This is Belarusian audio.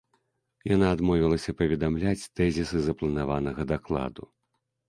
Яна адмовілася паведамляць тэзісы запланаванага дакладу.